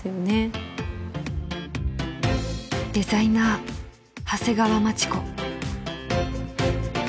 ［デザイナー長谷川町子］